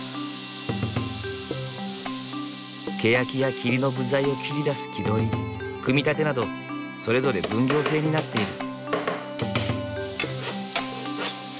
けやきや桐の部材を切り出す木取り組み立てなどそれぞれ分業制になっている。